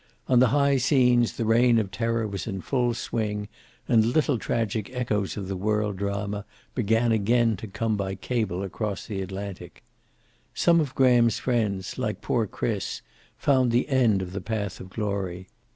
On the high seas the reign of terror was in full swing, and little tragic echoes of the world drama began again to come by cable across the Atlantic. Some of Graham's friends, like poor Chris, found the end of the path of glory.